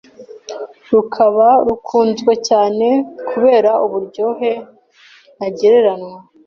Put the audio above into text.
rukaba rukunzwe cyane kubera uburyohe ntagereranywa